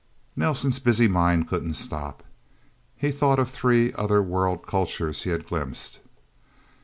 Nelsen's busy mind couldn't stop. He thought of three other world cultures he had glimpsed.